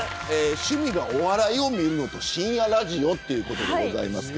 趣味がお笑いを見るのと深夜ラジオということですが。